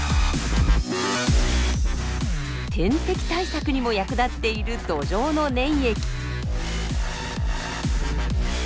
天敵対策にも役立っているドジョウの粘液。